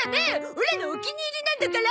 オラのお気に入りなんだから！